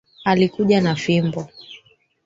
Alikuja na fimbo